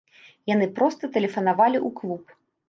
Яны проста тэлефанавалі ў клуб.